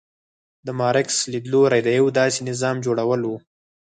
د مارکس لیدلوری د یو داسې نظام جوړول و.